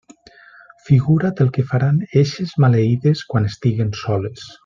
Figura't el que faran eixes maleïdes quan estiguen soles.